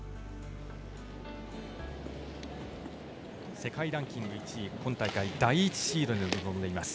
世界ランキング１位今大会第１シードで臨んでいます。